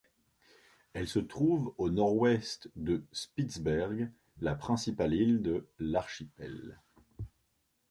Elle se trouve au Nord-Ouest de Spitzberg, la principale île de l'archipel.